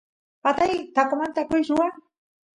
patay taqomanta akush ruwaq